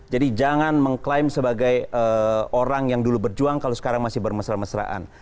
jangan mengklaim sebagai orang yang dulu berjuang kalau sekarang masih bermesra mesraan